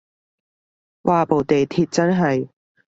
嘩部地鐵真係